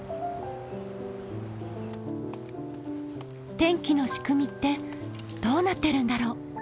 天気の仕組みってどうなってるんだろう？